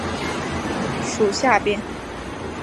膜叶毛木通为毛茛科铁线莲属下的一个变种。